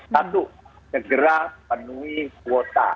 satu segera penuhi kuota